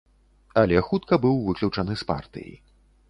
Але хутка быў выключаны з партыі.